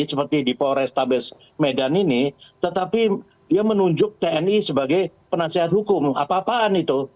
seperti di polrestabes medan ini tetapi dia menunjuk tni sebagai penasihat hukum apa apaan itu